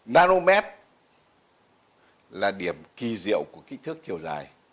maromet là điểm kỳ diệu của kích thước chiều dài